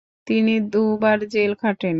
তিনি দুবার জেল খাটেন।